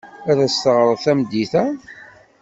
Ad as-ɣreɣ tameddit-a.